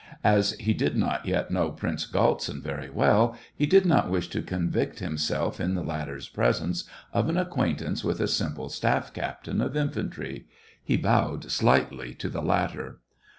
As he did not yet know Prince Galtsin very well, he did not wish to convict himself, in the latter's presence, of an acquaintance with a simple staff captain of in fantry. He bowed slightly to the latter.